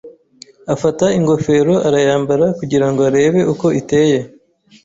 Afata ingofero arayambara kugira ngo arebe uko iteye.